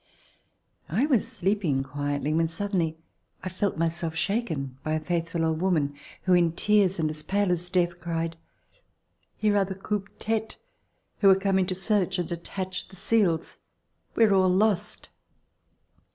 I was sleeping quietly when suddenly I felt myself shaken by a faithful old woman, who, in tears and as pale as death cried: ''Here are the coupe tetes who are coming to search and attach the seals. We are all lost!"